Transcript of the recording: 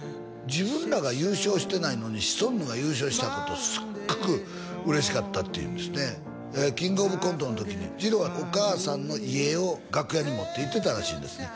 自分らが優勝してないのにシソンヌが優勝したことをすっごく嬉しかったっていうんですねキングオブコントの時にじろうはお母さんの遺影を楽屋に持っていってたらしいんですね